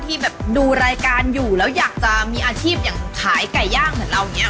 ที่แบบดูรายการอยู่แล้วอยากจะมีอาชีพอย่างขายไก่ย่างเหมือนเราอย่างนี้